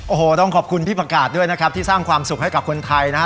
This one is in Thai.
โอ้โหต้องขอบคุณพี่ประกาศด้วยนะครับที่สร้างความสุขให้กับคนไทยนะฮะ